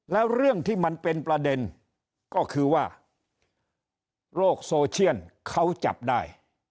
แล้วเรื่องที่มันเป็นประเด็นก็คือว่าโลกโซเชียลเขาจับได้